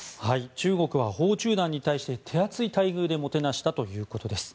中国は訪中団に対して手厚い待遇でもてなしたということです。